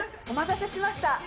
お待たせしました